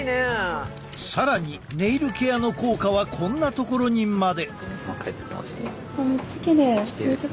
更にネイルケアの効果はこんなところにまで。